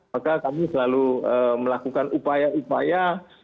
maka kami selalu melakukan upaya upaya